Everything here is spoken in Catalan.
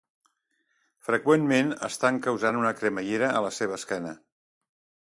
Freqüentment es tanca usant una cremallera a la seva esquena.